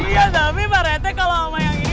iya tapi pak rete kalau omongin ini ya